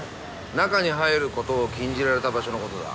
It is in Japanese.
中に入ることを禁じられた場所のことだ。